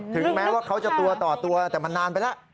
ถึงแม้ว่าเขาจะตัวต่อตัวแต่มันนานไปแล้ว